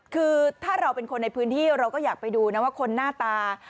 คือถ้าเราเป็นคนในพื้นที่เราก็อยากไปดูนะว่าคนหน้าตา